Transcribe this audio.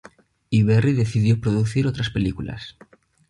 Y Berri decidió producir otras películas.